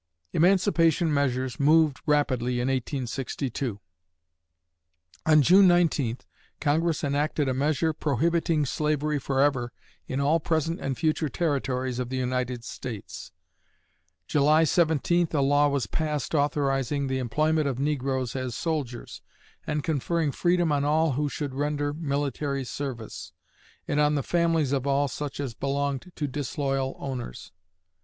Emancipation measures moved rapidly in 1862. On June 19 Congress enacted a measure prohibiting slavery forever in all present and future territories of the United States. July 17 a law was passed authorizing the employment of negroes as soldiers, and conferring freedom on all who should render military service, and on the families of all such as belonged to disloyal owners.